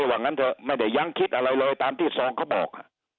ว่างั้นเถอะไม่ได้ยังคิดอะไรเลยตามที่ซองเขาบอก